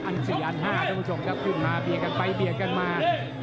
อันสี่อันห้าทุกผู้ชมขึ้นมาเบียกันไปเบียกันมา